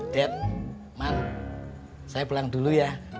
ded man saya pulang dulu ya